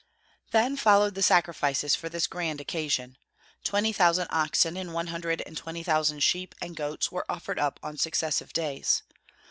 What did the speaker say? Then followed the sacrifices for this grand occasion, twenty thousand oxen and one hundred and twenty thousand sheep and goats were offered up on successive days.